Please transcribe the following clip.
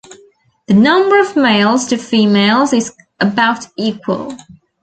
The number of males to females is about equal.